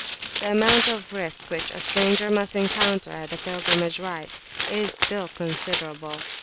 The amount of risk which a stranger must encounter at the pilgrimage rites is still considerable.